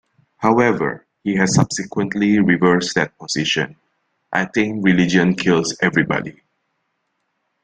However he has subsequently reversed that position: I think religion kills everybody.